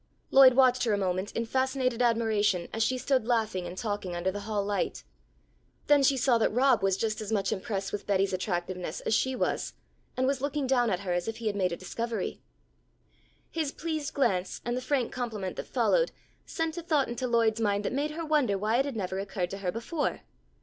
Lloyd watched her a moment in fascinated admiration, as she stood laughing and talking under the hall light. Then she saw that Rob was just as much impressed with Betty's attractiveness as she was, and was looking at her as if he had made a discovery. His pleased glance and the frank compliment that followed sent a thought into Lloyd's mind that made her wonder why it had never occurred to her before.